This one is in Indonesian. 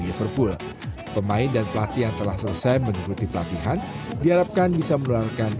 liverpool pemain dan pelatih yang telah selesai mengikuti pelatihan diharapkan bisa menularkan